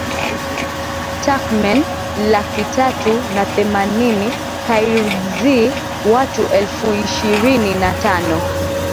Turkmen lakitatu na themanini Kyrgyz watu elfuishirini na tano